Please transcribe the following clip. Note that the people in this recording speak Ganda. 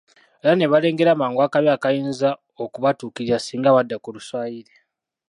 Era ne balengera mangu akabi akayinza okubatuukirira singa badda ku Luswayiri